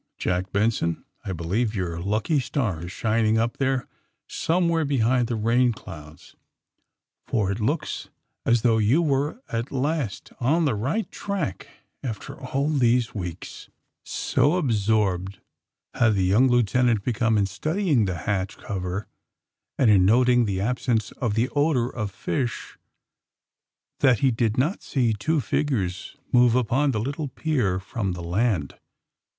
Jack Benson, I believe your lucky star is shining up there somewhere behind the rain clouds, for it looks as though you were at last on the right track after all these weeks!" AND THEi SMUGGLEES 61 So absorbed bad tbe young lieutenant become in studying tbe batcb cover and in noting tbe absence of tbe odor of fisb tbat be did not see two figures move upon tbe little pier from tbe land.